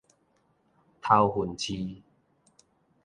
頭份市